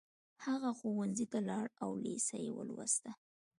هغه ښوونځي ته لاړ او لېسه يې ولوسته